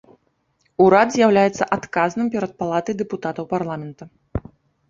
Урад з'яўляецца адказным перад палатай дэпутатаў парламента.